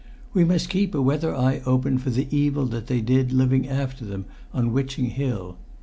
"We must keep a weather eye open for the evil that they did living after them on Witching Hill!